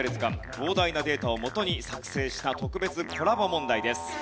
膨大なデータをもとに作成した特別コラボ問題です。